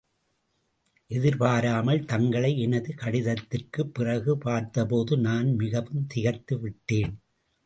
எதிர்பாராமல், தங்களை எனது கடிதத்திற்குப் பிறகு பார்த்தபோது, நான் மிகவும் திகைத்து விட்டேன்.